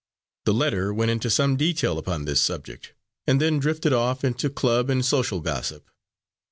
The letter went into some detail upon this subject, and then drifted off into club and social gossip.